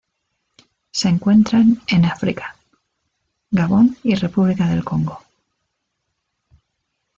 Se encuentran en África: Gabón y República del Congo.